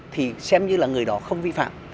thì xem như là người đó không vi phạm